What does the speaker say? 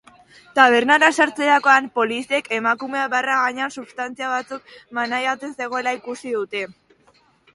Tabernara sartzerakoan poliziek emakumea barra gainean substantzia batzuk maneiatzen zegoela ikusi dute.